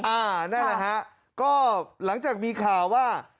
นั่นแหละฮะก็หลังจากมีข่าวว่า